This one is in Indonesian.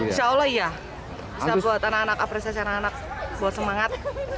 insya allah iya bisa buat anak anak apresiasi anak anak buat semangat